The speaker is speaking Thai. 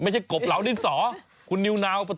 ไม่ใช่กบเหลาดินสอคุณนิวนาวปะโท